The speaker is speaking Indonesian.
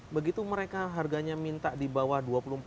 begitu mereka harganya minta di bawah rp dua puluh empat